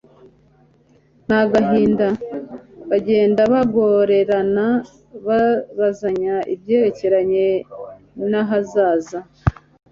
n'agahinda bagenda bongorerana babazanya ibyerekeranye n'ahazaza.